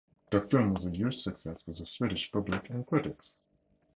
The film was a huge success with the Swedish public and critics.